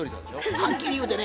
はっきり言うてね